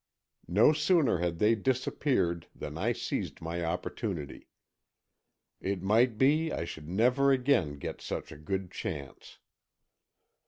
No sooner had they disappeared than I seized my opportunity. It might be I should never again get such a good chance.